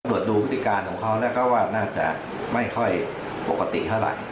ตรวจดูพฤติการของเขาแล้วก็ว่าน่าจะไม่ค่อยปกติเท่าไหร่